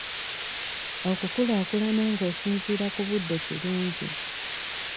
Okukulaakulana ng'ozinziira ku budde kirungi.